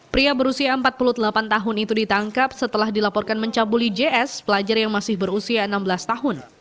pria berusia empat puluh delapan tahun itu ditangkap setelah dilaporkan mencabuli js pelajar yang masih berusia enam belas tahun